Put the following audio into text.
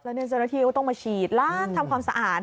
เจ้าหน้าที่ก็ต้องมาฉีดล้างทำความสะอาด